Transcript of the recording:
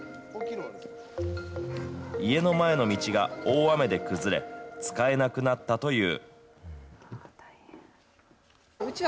家の前の道が大雨で崩れ、使えなくなったという。